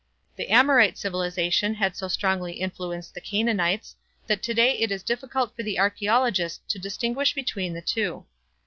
The Amorite civilization had so strongly influenced the Canaanites that to day it is difficult for the archaeologist to distinguish between the two.